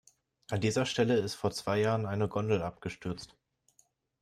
An dieser Stelle ist vor zwei Jahren eine Gondel abgestürzt.